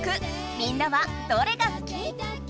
みんなはどれがすき？